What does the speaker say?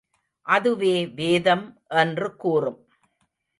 அதுவே வேதம் என்று கூறும்.